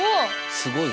すごいな。